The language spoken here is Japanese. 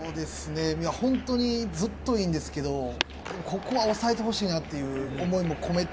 本当にずっといいんですけど、ここは抑えてほしいなっていう思いも込めて。